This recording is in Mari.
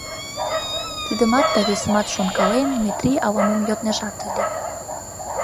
Тидымат да весымат шонкален, Метрий ала-мом йоднежат ыле.